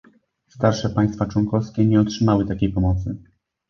Starsze państwa członkowskie nie otrzymały takiej pomocy